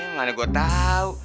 nggak ada gue tau